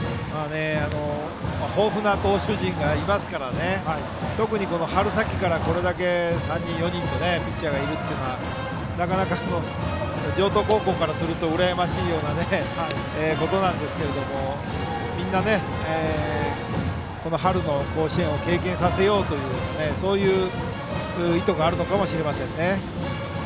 豊富な投手陣がいますから特に春先からこれだけ３人、４人とピッチャーがいるというのは城東高校からするとうらやましいようなことですがみんなこの春の甲子園を経験させようという意図があるかもしれません。